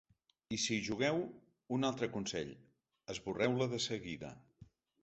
I si hi jugueu, un altre consell: esborreu-la de seguida.